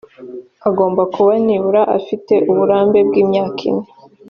agomba kuba nibura afite uburambe bw ‘imyaka ine